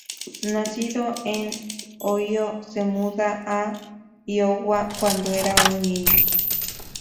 Nacido en Ohio, se mudó a Iowa cuando era un niño.